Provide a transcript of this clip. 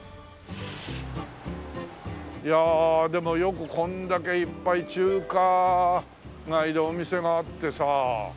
いやあでもよくこれだけいっぱい中華街でお店があってさ。